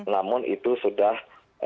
namun itu sudah